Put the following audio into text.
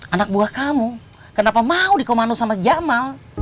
anak buah kamu kenapa mau di komando sama jamal